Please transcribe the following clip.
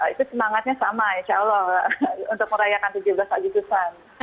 itu semangatnya sama insya allah untuk merayakan tujuh belas agustusan